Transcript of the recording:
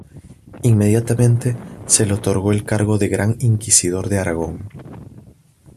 Inmediatamente se le otorgó el cargo de "gran Inquisidor de Aragón".